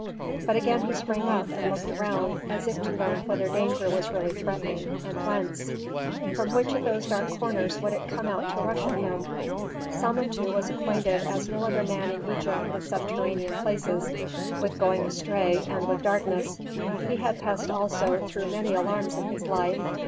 But again he sprang up and looked around, as if to learn whether danger was really threatening, and whence. From which of those dark corners would it come out to rush at him? Samentu was acquainted as no other man in Egypt with subterranean places, with going astray, and with darkness. He had passed also through many alarms in his life.